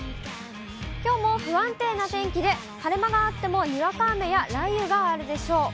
きょうも不安定な天気で、晴れ間があっても、にわか雨や雷雨があるでしょう。